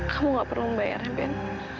kamu gak perlu membayar ben